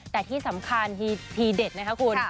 แต่ที่สำคัญทีเด็ดนะคะคุณ